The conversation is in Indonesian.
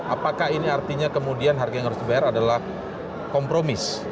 apakah ini artinya kemudian harga yang harus dibayar adalah kompromis